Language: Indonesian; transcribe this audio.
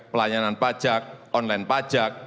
pelayanan pajak online pajak